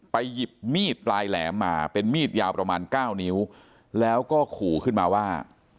หยิบมีดปลายแหลมมาเป็นมีดยาวประมาณ๙นิ้วแล้วก็ขู่ขึ้นมาว่า